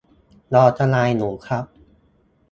รอทนายอยู่ครับ